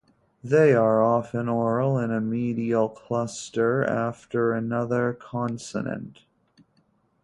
They are often oral in a medial cluster after another consonant.